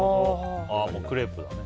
もうクレープだね。